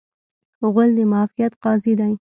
غول د معافیت قاضي دی.